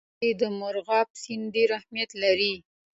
په افغانستان کې مورغاب سیند ډېر اهمیت لري.